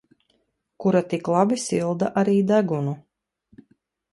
Kura tik labi silda arī degunu.